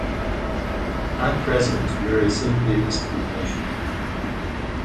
At present, Mary simply has to be patient.